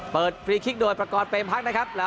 ฟรีคลิกโดยประกอบเป็นพักนะครับ